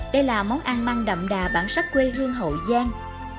đây là món ăn mang đậm đà bản sắc quê hương hậu giang